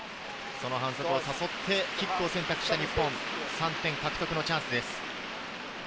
反則を誘ってキックを選択した日本、３点獲得のチャンスです。